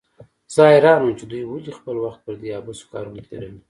زه حيران وم چې دوى ولې خپل وخت پر دې عبثو کارونو تېروي.